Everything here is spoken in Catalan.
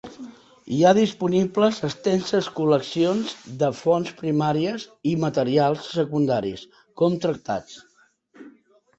Hi ha disponibles extenses col·leccions de fonts primàries i materials secundaris, com tractats.